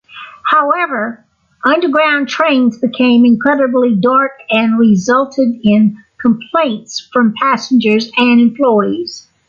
However, underground trains became incredibly dark and resulted in complaints from passengers and employees.